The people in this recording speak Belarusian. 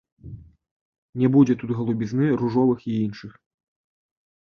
Не будзе тут галубізны, ружовых і іншых.